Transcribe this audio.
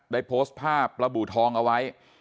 ได้โพสต์ภาพระบุทองเอาไว้